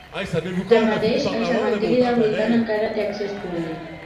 Tanmateix, el cementiri del voltant encara té accés públic.